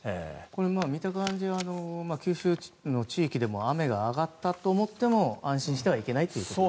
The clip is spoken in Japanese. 見た感じは九州の地域でも雨が上がったと思っても安心してはいけないと。